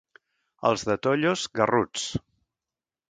Els de Tollos, garruts.